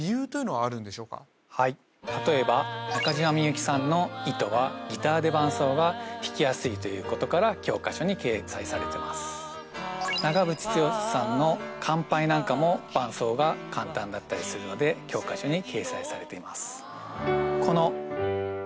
例えば中島みゆきさんの「糸」はギターで伴奏が弾きやすいということから教科書に掲載されてます長渕剛さんの「乾杯」なんかも伴奏が簡単だったりするので教科書に掲載されています